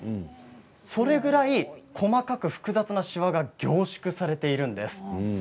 それぐらい細かく複雑なしわが凝縮されているんです。